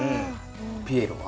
ピエロは？